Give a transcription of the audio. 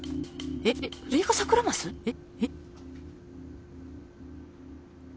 えっえっ